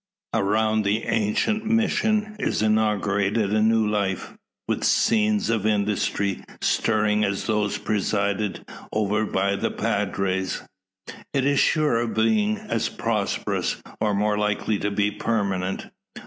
Around the ancient mission is inaugurated a new life, with scenes of industry, stirring as those presided over by the padres. Is it sure of being as prosperous, or more likely to be permanent?